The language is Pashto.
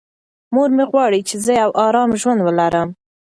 مور مې غواړي چې زه یو ارام ژوند ولرم.